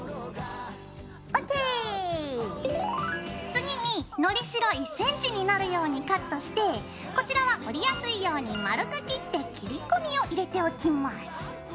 次にのりしろ１ｃｍになるようにカットしてこちらは折りやすいように丸く切って切り込みを入れておきます。